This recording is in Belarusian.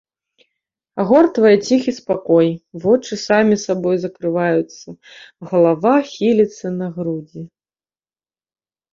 Агортвае ціхі спакой, вочы самі сабой закрываюцца, галава хіліцца на грудзі.